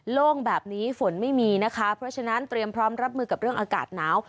โล่งแบบนี้ฝนไม่มีนะคะเพราะฉะนั้นเตรียมพร้อมรับมือกับเรื่องอากาศหนาว